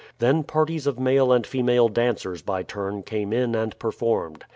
Then parties of male and female dancers by turn came in and performed.